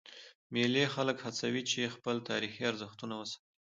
مېلې خلک هڅوي، چي خپل تاریخي ارزښتونه وساتي.